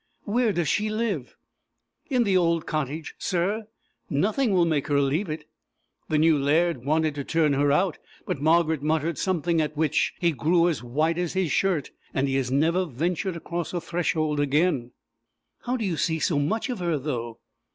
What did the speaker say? "Where does she live?" "In the old cottage, sir. Nothing will make her leave it. The new laird wanted to turn her out; but Margaret muttered something at which he grew as white as his shirt, and he has never ventured across her threshold again." "How do you see so much of her, though?"